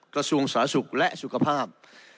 กระทรวงสาธารณสุขและสุขภาพ